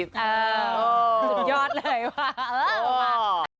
สุดยอดเลยว่ะ